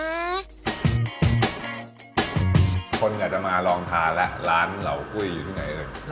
อยากจะมาลองทานแล้วร้านเหล่ากุ้ยอยู่ที่ไหนเลย